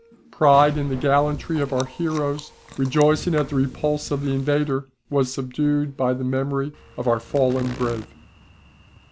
Pride in the gallantry of our heroes, rejoicing at the repulse of the invader, was subdued by the memory of our fallen brave.